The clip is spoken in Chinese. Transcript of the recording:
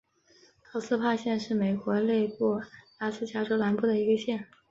高斯帕县是美国内布拉斯加州南部的一个县。